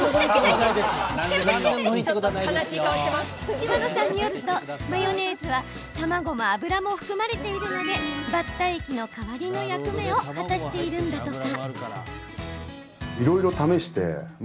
嶌野さんによると、マヨネーズは卵も油も含まれているのでバッター液の代わりの役目を果たしているんだとか。